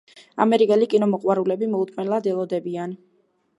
ამერიკელი კინომოყვარულები მოუთმენლად ელოდებიან.